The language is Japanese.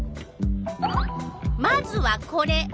まずはこれ。